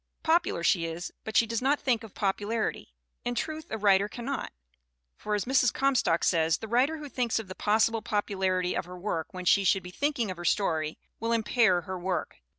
Popular she is, but she does not think of popular ity. In truth a writer cannot. For, as Mrs. Com stock says, the writer who thinks of the possible popu larity of her work when she should be thinking of her story will impair her work.